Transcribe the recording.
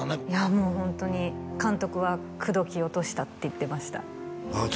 もうホントに監督は「口説き落とした」って言ってましたあ